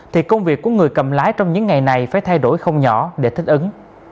thì công việc của người cầm lái trong những ngày này phải thay đổi không nhỏ để thích ứng